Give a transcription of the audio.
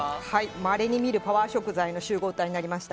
まれに見るパワー食材の集合体になりました。